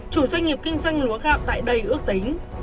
chủ doanh nghiệp kinh doanh lúa gạo tại đây ước tính